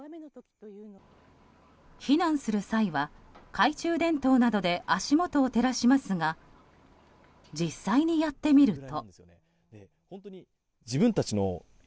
避難する際は、懐中電灯などで足元を照らしますが実際にやってみると。